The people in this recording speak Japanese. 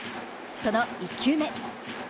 その１球目。